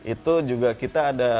itu juga kita ada